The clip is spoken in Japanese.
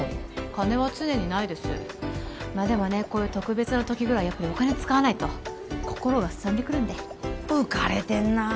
金は常にないですまあでもねこういう特別な時ぐらいやっぱお金使わないと心がすさんでくるんで浮かれてんなあ